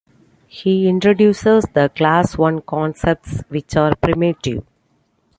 He introduces the Class One concepts, which are primitive.